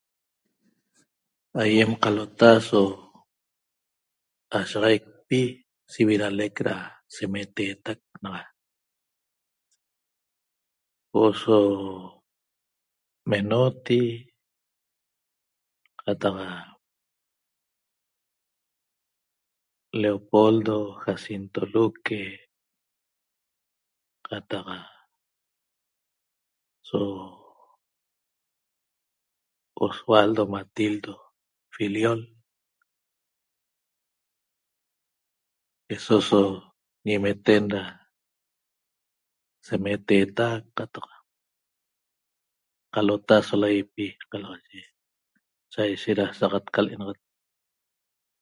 Aýem qalota so ashaxaicpi sividalec da semeteetac naxa huo'o so Menotti qataq Leopoldo Jacinto Luque qataq so Osvaldo Matildo Fillol eso so ñimeten da semeteetac qataq qalota so laýipi qalaxaye saishet sa'axat ca l'enaxat